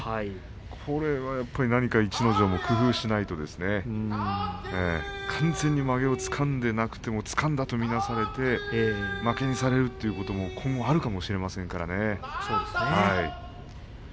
これはやっぱり、なにか逸ノ城も工夫をしないと完全にまげをつかんでなくてもつかんだと見なされて負けにされるということも今後あるかもしれませんからね。